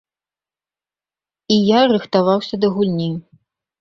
І я рыхтаваўся да гульні.